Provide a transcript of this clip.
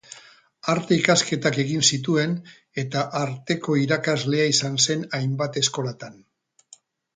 Arte-ikasketak egin zituen, eta Arteko irakaslea izan zen hainbat eskolatan.